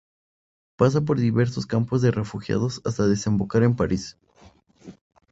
Pasa por diversos campos de refugiados hasta desembocar en París.